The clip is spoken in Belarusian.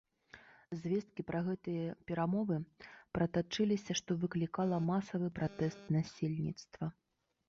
Звесткі пра гэтыя перамовы пратачыліся, што выклікала масавы пратэст насельніцтва.